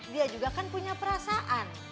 dia juga kan punya perasaan